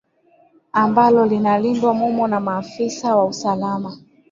ambalo linalindwa mumo na maafisa wa usalama